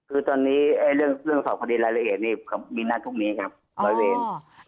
คือตอนนี้เรื่องสอบคดีรายละเอียดมีหน้าทุกนี้ครับร้อยเว้น